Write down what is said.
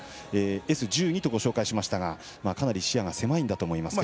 Ｓ１２とご紹介しましたがかなり視野が狭いんだと思います。